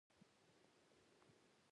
اوبۀ له دې منګي واخله